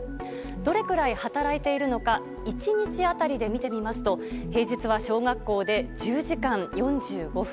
どれくらい働いているのか１日当たりで見てみますと平日は小学校で１０時間４５分。